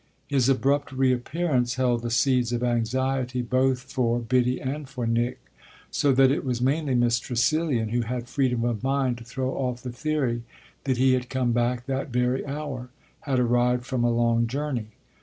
His abrupt reappearance held the seeds of anxiety both for Biddy and for Nick, so that it was mainly Miss Tressilian who had freedom of mind to throw off the theory that he had come back that very hour had arrived from a long journey.